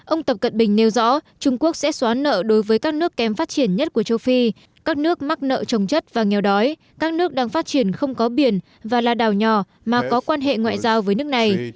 ông tập cận bình nêu rõ trung quốc sẽ xóa nợ đối với các nước kém phát triển nhất của châu phi các nước mắc nợ trồng chất và nghèo đói các nước đang phát triển không có biển và là đảo nhỏ mà có quan hệ ngoại giao với nước này